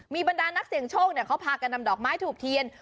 มีบรรดานักเสี่ยงโชคเขาพากันนำดอกไม้ถูกเทียน